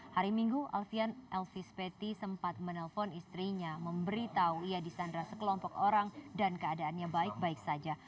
hari minggu alfian elvis petty sempat menelpon istrinya memberitahu ia disandra sekelompok orang dan keadaannya baik baik saja